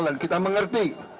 dan kita mengerti